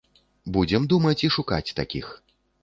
Будзем думаць і шукаць такіх.